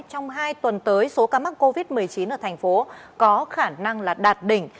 trong hai tuần tới số ca mắc covid một mươi chín ở thành phố có khả năng là đạt đỉnh